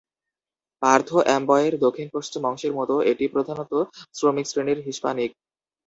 পার্থ অ্যামবয়ের দক্ষিণ-পশ্চিম অংশের মতো, এটি প্রধানত শ্রমিক শ্রেণীর হিস্পানিক।